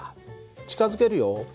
近づけるよ。